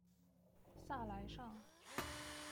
萨莱尚。